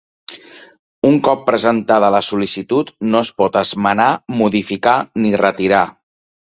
Un cop presentada la sol·licitud no es pot esmenar, modificar ni retirar.